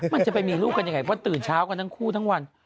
มันจะไปมีลูกกันยังไงเพราะตื่นเช้ากันทั้งคู่ทั้งวัน